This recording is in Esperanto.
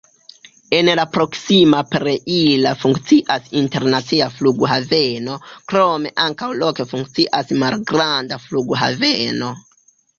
En la proksima Pereira funkcias internacia flughaveno, krome ankaŭ loke funkcias malgranda flughaveno.